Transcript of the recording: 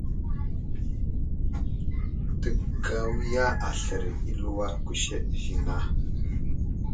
Təgawiya aslər i aluwar kuseɗ ziŋ a ?